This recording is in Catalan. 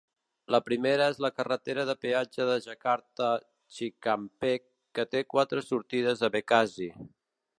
La primera és la carretera de peatge de Jakarta-Cikampek, que té quatre sortides a Bekasi.